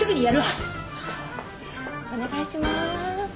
お願いしまーす。